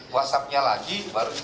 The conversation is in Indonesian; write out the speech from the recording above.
whatsappnya lagi baru